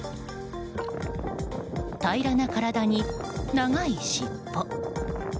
平らな体に長い尻尾。